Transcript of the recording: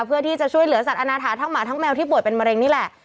เพื่อที่จะช่วยเหลือสัตว์อาณาถาทั้งหมาทั้งแมวที่ป่วยเป็นมะเร็งนี่แหละ